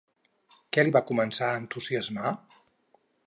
Què li va començar a entusiasmar?